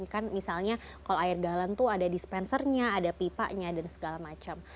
kan misalnya kalau air galon tuh ada dispensernya ada pipanya dan segala macam